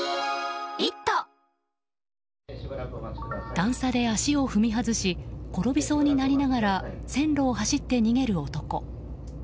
段差で足を踏み外し転びそうになりながら線路を走って逃げる男。